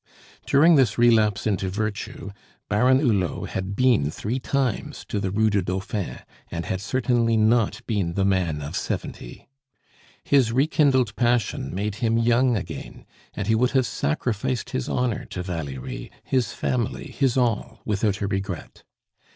During this relapse into virtue Baron Hulot had been three times to the Rue du Dauphin, and had certainly not been the man of seventy. His rekindled passion made him young again, and he would have sacrificed his honor to Valerie, his family, his all, without a regret.